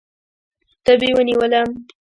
تبې ونیولم.